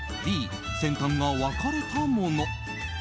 Ｂ、先端が分かれたもの。